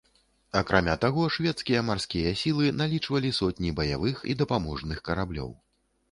Акрамя таго, шведскія марскія сілы налічвалі сотні баявых і дапаможных караблёў.